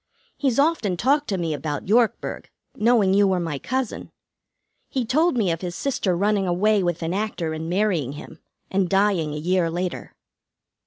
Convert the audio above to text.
He's often talked to me about Yorkburg, knowing you were my cousin. He told me of his sister running away with an actor and marrying him, and dying a year later.